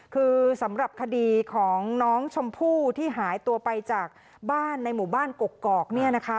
คือสำหรับคดีของน้องชมพู่ที่หายตัวไปจากบ้านในหมู่บ้านกกอกเนี่ยนะคะ